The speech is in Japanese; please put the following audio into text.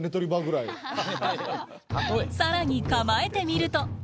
さらに構えてみると。